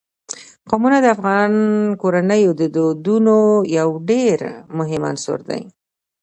قومونه د افغان کورنیو د دودونو یو ډېر مهم عنصر دی.